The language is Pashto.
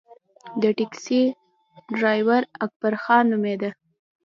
د ټیکسي ډریور اکبرخان نومېده.